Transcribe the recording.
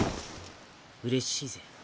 うれしいぜ。